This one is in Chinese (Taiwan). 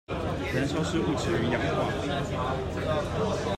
燃燒是物質與氧的化合